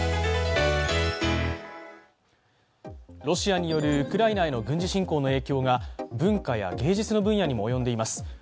ロシアによるウクライナへの軍事侵攻への影響が文化や芸術の分野にも及んでいます。